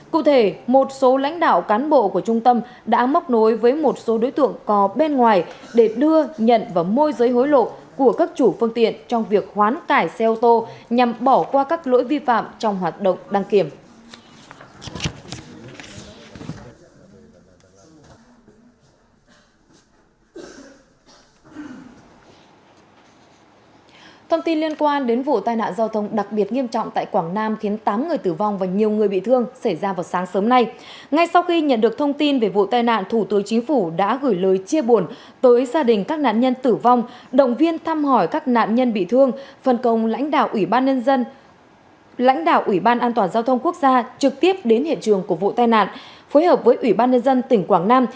cụ thể một số lãnh đạo cán bộ của trung tâm đã móc nối với một số đối tượng có bên ngoài để đưa nhận và môi giới hối lộ của các chủ phương tiện trong việc khoán cải xe ô tô nhằm bỏ qua các lỗi vi phạm trong hoạt động đăng kiểm